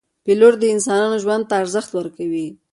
پیلوټ د انسانانو ژوند ته ارزښت ورکوي.